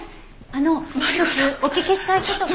あの一つお聞きしたい事。